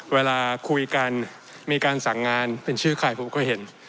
เวลาคุยกันมีการสั่งงานเป็นชื่อใครผมก็เห็น